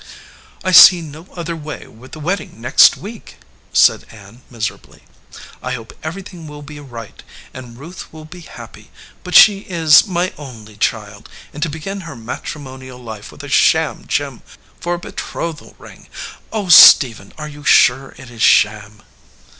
"I see no other way, with the wedding next week," said Ann, miserably. "I hope everything will be right, and Ruth will be happy; but she is my only child, and to begin her matrimonial life with a sham gem for her betrothal ring Oh, Stephen, are you sure it is sham?"